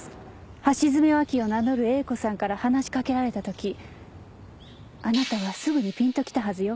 橋爪亜希を名乗る英子さんから話しかけられた時あなたはすぐにピンときたはずよ。